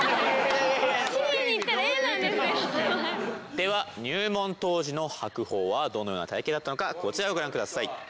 では入門当時の白鵬はどのような体型だったのかこちらをご覧ください。